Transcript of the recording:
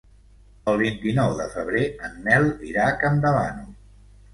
El vint-i-nou de febrer en Nel irà a Campdevànol.